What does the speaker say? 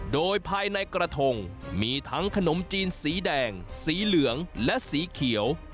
โดยภายในกระทงมีทั้งขนมจีนสีแดงสีเหลืองและสีเขียว